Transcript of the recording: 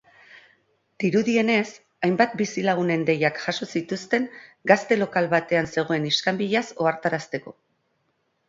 Dirudienez, hainbat bizilagunen deiak jaso zituzten gazte lokal batean zegoen iskanbilaz ohartarazteko.